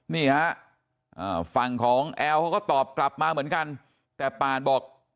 นี่ฮะฝั่งของแอลเขาก็ตอบกลับมาเหมือนกันแต่ปานบอก